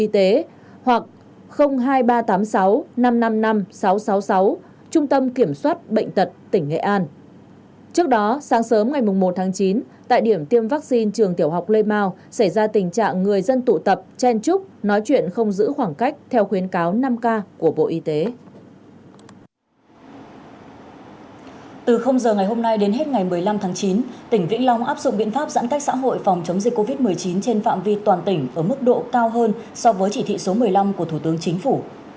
từ giờ ngày hôm nay đến hết ngày một mươi năm tháng chín tỉnh vĩnh long áp dụng biện pháp giãn cách xã hội phòng chống dịch covid một mươi chín trên phạm vi toàn tỉnh ở mức độ cao hơn so với chỉ thị số một mươi năm của thủ tướng chính phủ